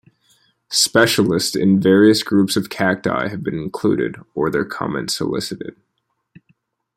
Specialists in various groups of cacti have been included, or their comments solicited.